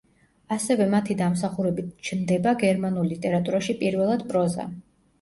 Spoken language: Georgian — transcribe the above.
ასევე მათი დამსახურებით ჩნდება გერმანულ ლიტერატურაში პირველად პროზა.